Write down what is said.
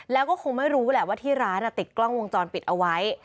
แล้วก็คงไม่รู้แหละว่าที่ร้านติดกล้องวงจรปิดเอาไว้